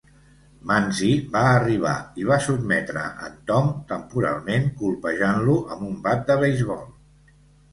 Manzi va arribar i va sotmetre en Tom temporalment colpejant-lo amb un bat de beisbol.